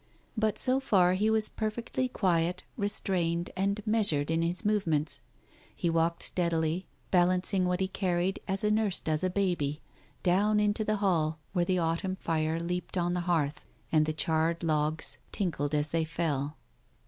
But so far he was perfectly quiet, restrained, and measured in his movements. He walked steadily, Digitized by Google 318 TALES OF THE UNEASY balancing what he carried as a nurse does a baby, down into the hall, where the autumn fire leaped on the hearth, and the charred logs tinkled as they fell.